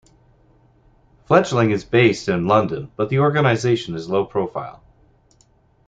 Fledg'ling is based in London but the organisation is low-profile.